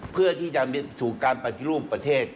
เพื่อที่จะสู่การปฏิรูปประเทศ